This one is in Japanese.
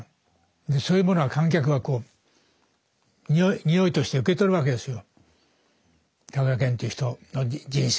でそういうものは観客はこう匂いとして受け取るわけですよ。